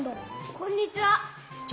こんにちは。